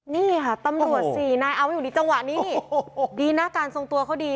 นี่ค่ะตำรวจสี่นายเอาไว้อยู่ในจังหวะนี้ดีนะการทรงตัวเขาดี